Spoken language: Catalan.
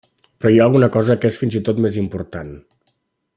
Però hi ha alguna cosa que és fins i tot més important.